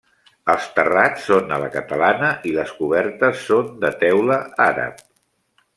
Els terrats són a la catalana i les cobertes són de teula àrab.